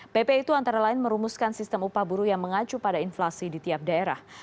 pp itu antara lain merumuskan sistem upah buruh yang mengacu pada inflasi di tiap daerah